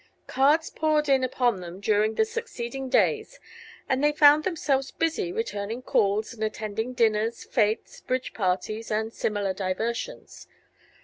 Cards poured in upon them during; the succeeding days and they found themselves busy returning calls and attending dinners, fetes, bridge parties and similar diversions.